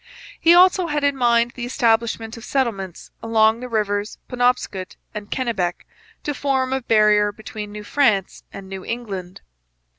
He also had in mind the establishment of settlements along the rivers Penobscot and Kennebec, to form a barrier between New France and New England.